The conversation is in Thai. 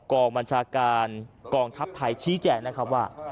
กองบัญชาการกองทัพไทยชี้แจงนะครับว่า